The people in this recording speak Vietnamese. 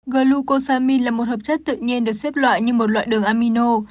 glucoxamine là một hợp chất tự nhiên được xếp loại như một loại đường amino